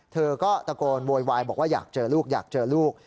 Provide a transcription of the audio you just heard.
เธอก็ตะโกนโวยวายบอกว่าอยากเจอลูกอยากเจอลูก